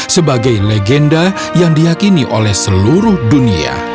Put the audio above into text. sebagai legenda yang diyakini oleh seluruh dunia